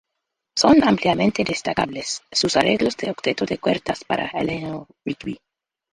Son ampliamente destacables sus arreglos del octeto de cuerdas para "Eleanor Rigby".